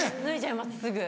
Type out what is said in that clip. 脱いじゃいます